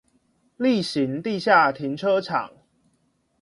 力行地下停車場